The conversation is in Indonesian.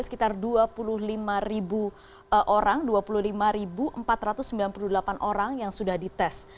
sekitar dua puluh lima orang dua puluh lima empat ratus sembilan puluh delapan orang yang sudah dites